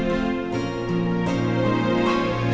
nanti tak ngeharu